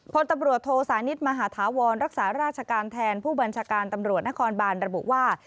พลตำรวจโทสานิทมหาธาวรรักษาราชการแทนผู้บัญชาการตำรวจนครบานระบุว่า